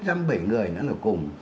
dăm bảy người nó là cùng